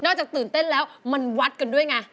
จากตื่นเต้นแล้วมันวัดกันด้วยไง